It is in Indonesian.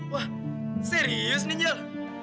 wah serius nih angel